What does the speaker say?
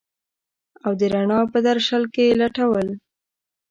او د رڼا په درشل کي لټول